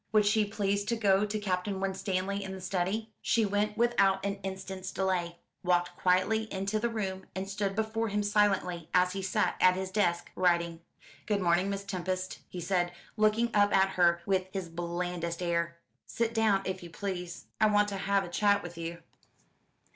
Would she please to go to Captain Winstanley in the study? She went without an instant's delay, walked quietly into the room, and stood before him silently as he sat at his desk writing. "Good morning, Miss Tempest," he said, looking up at her with his blandest air; "sit down, if you please. I want to have a chat with you."